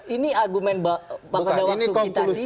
ini argumen pak bada waktu kita sidang